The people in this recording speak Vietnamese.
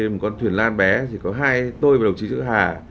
một con thuyền lan bé thì có hai tôi và đồng chí giữ hà